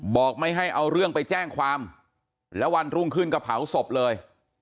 บอกไม่ให้เอาเรื่องไปแจ้งความแล้ววันรุ่งขึ้นก็เผาศพเลย